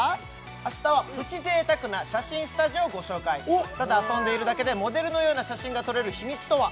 明日はプチ贅沢な写真スタジオをご紹介ただ遊んでいるだけでモデルのような写真が撮れる秘密とは？